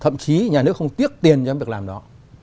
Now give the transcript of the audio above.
thậm chí nhà nước không tiếc tiền trong việc làm đó